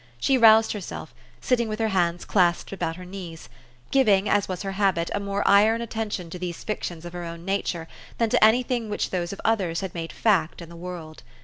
She roused her self, sitting with her hands" clasped about her knees, giving, as was her habit, a more iron atten tion to these fictions of her own nature than to any thing which those of others had made fact in the world.